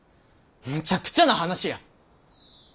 むちゃくちゃな話や。